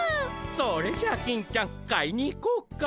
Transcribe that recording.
それじゃあ金ちゃん買いに行こうか。